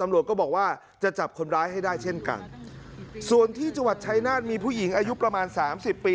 ตำรวจก็บอกว่าจะจับคนร้ายให้ได้เช่นกันส่วนที่จังหวัดชายนาฏมีผู้หญิงอายุประมาณสามสิบปี